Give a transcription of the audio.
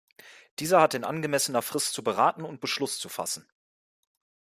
Dieser hat in angemessener Frist zu beraten und Beschluss zu fassen.